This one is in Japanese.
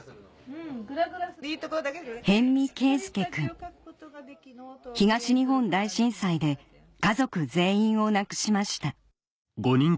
・・うんグラグラする・東日本大震災で家族全員を亡くしました